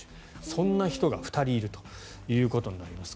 そんな人が２人いるということになります。